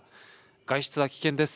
外出は危険です。